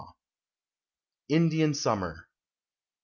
INDIAN SUMMER.